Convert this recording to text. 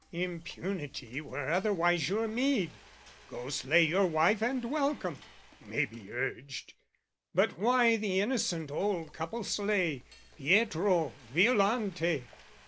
"Impunity were otherwise your meed: "Go slay your wife and welcome," may be urged, "But why the innocent old couple slay, "Pietro, Violante?